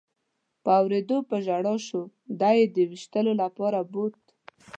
په اورېدو په ژړا شو، دی یې د وېشتلو لپاره بوت.